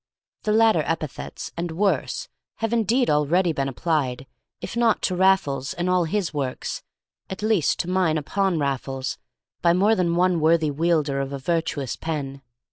The latter epithets, and worse, have indeed already been applied, if not to Raffles and all his works, at least to mine upon Raffles, by more than one worthy wielder of a virtuous pen.